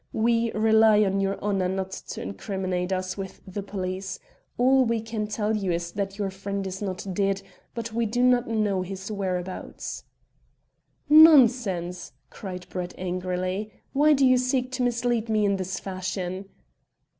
We rely on your honour not to incriminate us with the police. All we can tell you is that your friend is not dead, but we do not know his whereabouts." "Nonsense," cried Brett angrily. "Why do you seek to mislead me in this fashion?"